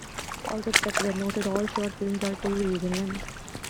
Also, except where noted, all short films are two reels in length.